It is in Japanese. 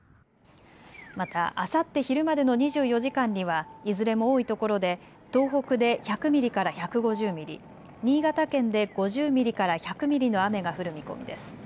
また、あさって昼までの２４時間にはいずれも多いところで東北で１００ミリから１５０ミリ、新潟県で５０ミリから１００ミリの雨が降る見込みです。